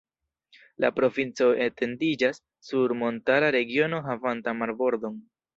La provinco etendiĝas sur montara regiono havanta marbordon.